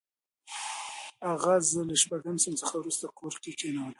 اغا زه له شپږم صنف څخه وروسته کور کې کښېنولم.